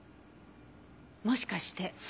もしかして。